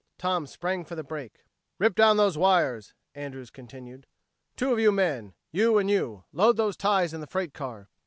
Tom sprang for the brake. "Rip down those wires," Andrews continued. "Two of you men you and you load those ties in the freight car."